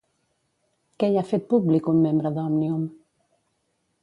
Què hi ha fet públic un membre d'Òmnium?